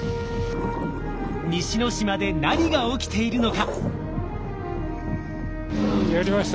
西之島で何が起きているのか？